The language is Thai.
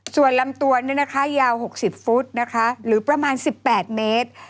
ส่วนลำตัวเนี่ยนะคะยาวหกสิบฟุตนะคะหรือประมาณสิบแปดเมตร